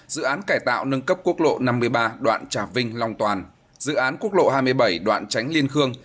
dự án cải tạo nâng cấp quốc lộ năm mươi ba đoạn trà vinh long toàn dự án quốc lộ hai mươi bảy đoạn tránh liên khương